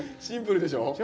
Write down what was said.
シンプルでしょ。